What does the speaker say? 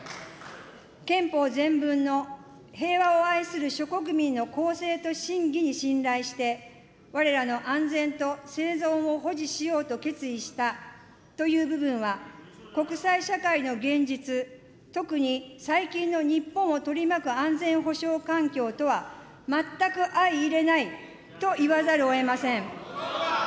憲法前文の、平和を愛する諸国民の公正と信義に信頼して、われらの安全と生存を保持しようと決意したという部分が国際社会の現実、特に最近の日本を取り巻く安全保障環境とは、全く相いれないと言わざるをえません。